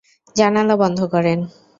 জানালা বন্ধ করেন!